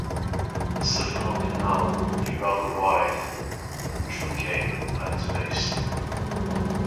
The siphonal canal is rather wide and truncate at its base.